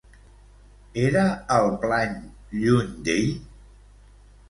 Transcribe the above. Era el plany lluny d'ell?